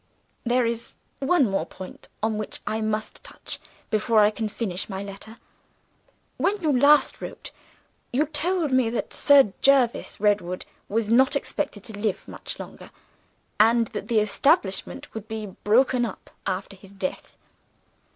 "There is one more point on which I must touch, before I can finish my letter. "When you last wrote, you told me that Sir Jervis Redwood was not expected to live much longer, and that the establishment would be broken up after his death.